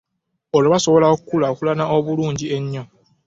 Olwo basobole okukulaakulana obulungi ennyo.